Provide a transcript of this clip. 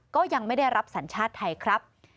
ก็ยังไม่ได้รับสัญชาติไทยครับ